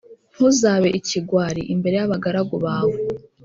ntuzabe ikigwari imbere y’abagaragu bawe